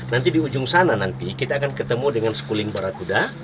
nanti di ujung sana nanti kita akan ketemu dengan schooling barakuda